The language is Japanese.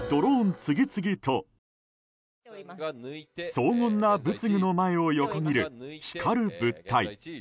荘厳な仏具の前を横切る光る物体。